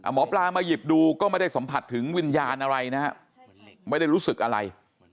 หมอปลามาหยิบดูก็ไม่ได้สัมผัสถึงวิญญาณอะไรนะฮะไม่ได้รู้สึกอะไร